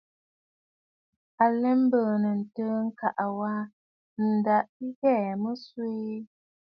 À lɛ mbɨ̀ɨ̀nə̀ ntəə ŋka ghaa, ǹda ɨ ghɛɛ̀ mə swee.